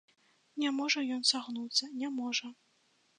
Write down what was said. Не можа ён сагнуцца, не можа.